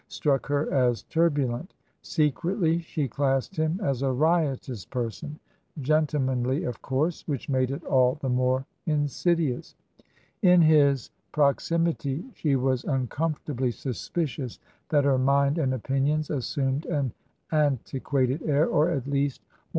— struck her as turbulent ; secretly she classed him as a riotous person — gentlemanly, of course — ^which made it all the more insidious. In his prox imity she was uncomfortably suspicious that her mind and opinions assumed an antiquated air — or, at least, one \ TRANSITION.